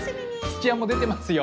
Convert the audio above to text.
土屋も出てますよ